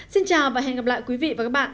xin chào và hẹn gặp lại quý vị và các bạn